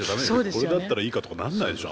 これだったらいいかとかなんないでしょ